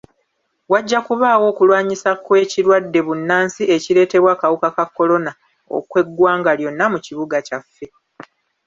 Wajja kubaawo okulwanyisa kw'ekirwadde bbunansi ekireetebwa akawuka ka kolona okw'eggwanga lyonna mu kibuga kyaffe.